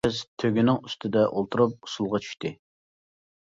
قىز تۆگىنىڭ ئۈستىدە ئولتۇرۇپ ئۇسسۇلغا چۈشىدۇ.